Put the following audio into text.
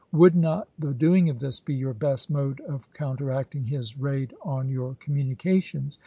Would not the doing of this be your best mode of counter acting his raid on your communications